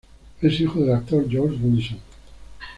Es hijo del actor Georges Wilson.